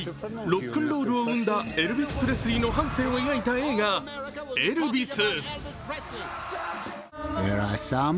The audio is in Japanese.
ロックンロールを生んだエルビス・プレスリーの半生を描いた映画「エルヴィス」。